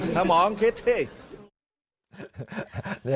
ถ้าหมองคิด